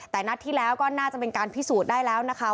แต่นัดที่แล้วก็น่าจะเป็นการพิสูจน์ได้แล้วนะคะ